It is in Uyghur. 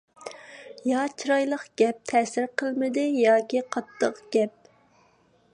يا چىرايلىق گەپ تەسىر قىلمىدى، ياكى قاتتىق گەپ.